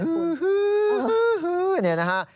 ฮือฮือฮือนี่นะครับ